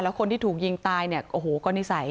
แล้วคนที่ถูกยิงตายโคนนิสัย